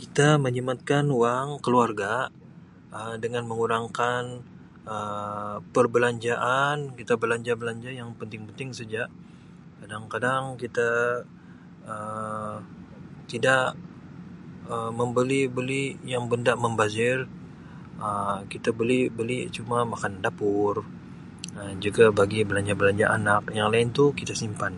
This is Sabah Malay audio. Kita menjimatkan wang keluarga Um dengan mengurangkan Um perbelanjaan kita belanja-belanja yang penting-penting saja kadang-kadang kita Um tidak Um membeli-beli yang benda membazir Um kita beli-beli cuma makanan dapur Um juga bagi belanja-belanja anak yang lain tu kita simpan.